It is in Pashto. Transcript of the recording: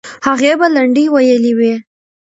هغې به لنډۍ ویلې وي.